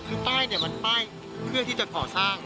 อันนี้คือป้ายเนี่ยมันป้ายเครื่องที่จะเพาะสร้าง